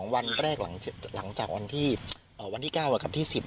วันแรกหลังจากวันที่๙กับที่๑๐